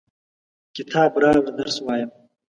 کتاب راوړه ، درس وایم!